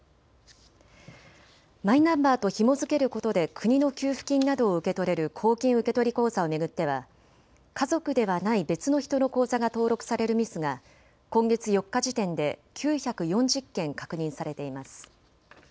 マイナンバーとひも付けることで国の給付金などを受け取れる公金受取口座を巡っては家族ではない別の人の口座が登録されるミスが今月４日時点で９４０件確認されています。